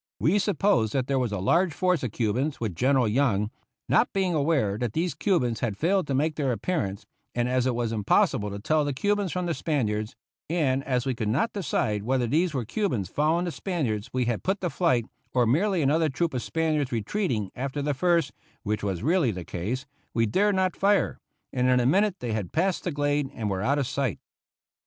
We supposed that there was a large force of Cubans with General Young, not being aware that these Cubans had failed to make their appearance, and as it was impossible to tell the Cubans from the Spaniards, and as we could not decide whether these were Cubans following the Spaniards we had put to flight, or merely another troop of Spaniards retreating after the first (which was really the case) we dared not fire, and in a minute they had passed the glade and were out of sight.